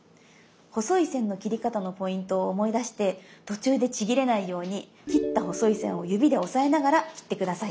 細い線の切り方のポイントを思い出して途中でちぎれないように切った細い線を指で押さえながら切って下さい。